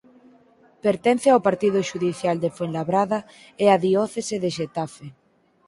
Pertence ao partido xudicial de Fuenlabrada e a diocese de Xetafe.